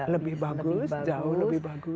lebih bagus jauh lebih bagus